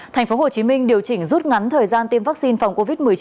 thành phố hồ chí minh điều chỉnh rút ngắn thời gian tiêm vaccine phòng covid một mươi chín